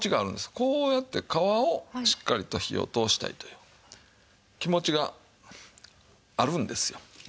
こうやって皮をしっかりと火を通したいという気持ちがあるんですよ。